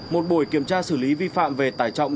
một buổi kiểm tra xử lý vi phạm về tải trọng